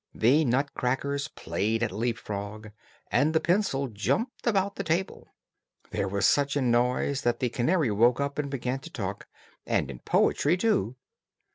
The nut crackers played at leap frog, and the pencil jumped about the table. There was such a noise that the canary woke up and began to talk, and in poetry too.